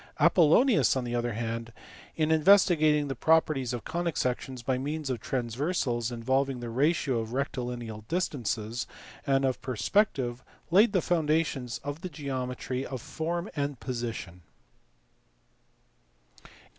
Apollonius, on the other hand, in investigating the properties of conic sections by means of transversals involving the ratio of rectilineal distances and of perspective, laid the foundations of the geometry of form and position.